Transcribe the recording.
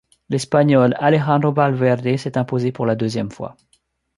L'Espagnol Alejandro Valverde s'est imposé pour la deuxième fois.